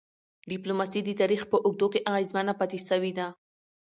ډيپلوماسي د تاریخ په اوږدو کي اغېزمنه پاتې سوی ده.